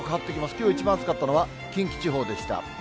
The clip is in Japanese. きょう一番暑かったのは近畿地方でした。